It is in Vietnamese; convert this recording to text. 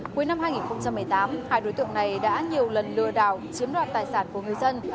cuối năm hai nghìn một mươi tám hai đối tượng này đã nhiều lần lừa đảo chiếm đoạt tài sản của người dân